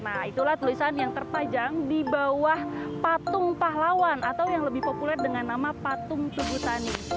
nah itulah tulisan yang terpajang di bawah patung pahlawan atau yang lebih populer dengan nama patung tugutani